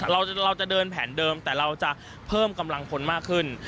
เราจะเดินแผนเดิมแต่เราจะเพิ่มกำลังคนมากขึ้น